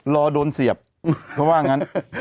รอโดนเสียบเพราะว่างั้น